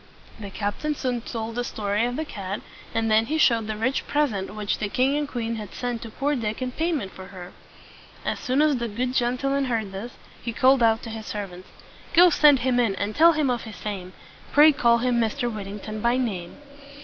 The captain soon told the story of the cat; and then he showed the rich present which the king and queen had sent to poor Dick in payment for her. As soon as the good gentleman heard this, he called out to his servants, "Go send him in, and tell him of his fame; Pray call him Mr. Whittington by name."